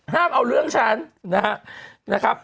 ห้ามเอาเรื่องฉันนะครับ